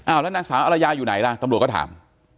แล้วนางสาวอรยาอยู่ไหนล่ะตำรวจก็ถาม